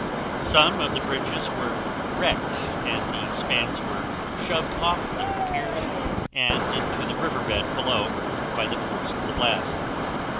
Some of the bridges were wrecked and the spans were shoved off their piers and into the river bed below by the force of the blast.